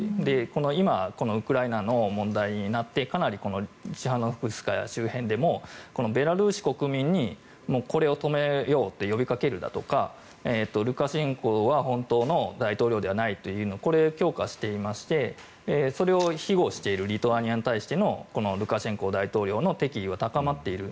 今、ウクライナの問題になってかなりチハノフスカヤ周辺でもベラルーシ国民にこれを止めようと呼びかけるだとかルカシェンコは本当の大統領ではないというようなこれは強化していましてそれを庇護しているリトアニアに対してのこのルカシェンコ大統領の敵意は高まっている。